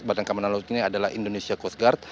badan keamanan laut ini adalah indonesia coast guard